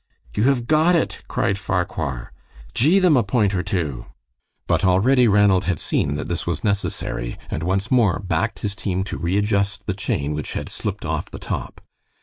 "You have got it," cried Farquhar. "Gee them a point or two." But already Ranald had seen that this was necessary, and once more backed his team to readjust the chain which had slipped off the top.